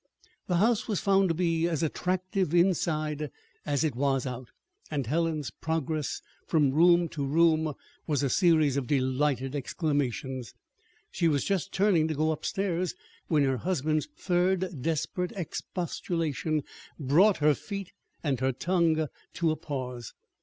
The house was found to be as attractive inside as it was out; and Helen's progress from room to room was a series of delighted exclamations. She was just turning to go upstairs when her husband's third desperate expostulation brought her feet and her tongue to a pause.